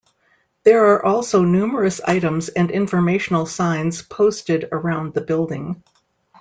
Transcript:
There are also numerous items and informational signs posted around the building.